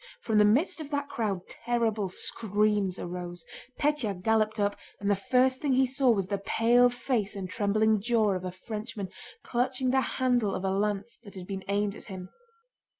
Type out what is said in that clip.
From the midst of that crowd terrible screams arose. Pétya galloped up, and the first thing he saw was the pale face and trembling jaw of a Frenchman, clutching the handle of a lance that had been aimed at him.